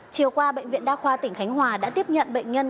chiều qua bệnh viện đa khoa tỉnh khánh hòa đã tiếp nhận bệnh nhân